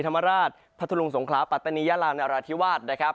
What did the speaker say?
ธรรมราชพัทธลุงสงคราปัตตานียาลานราธิวาสนะครับ